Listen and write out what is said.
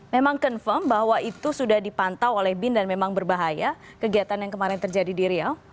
memang confirm bahwa itu sudah dipantau oleh bin dan memang berbahaya kegiatan yang kemarin terjadi di riau